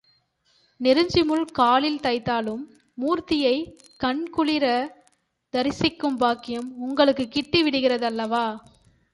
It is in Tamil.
நெருஞ்சி முள் காலில் தைத்தாலும் மூர்த்தியைக் கண் குளிரத் தரிசிக்கும் பாக்கியம் உங்களுக்குக் கிட்டி விடுகிற தல்லவா?